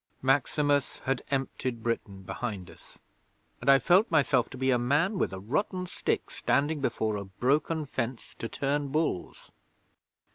Maximus had emptied Britain behind us, and I felt myself to be a man with a rotten stick standing before a broken fence to turn bulls.